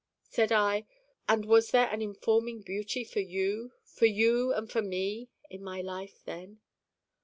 Said I: 'And was there an informing beauty for you, for you and for me, in my life then?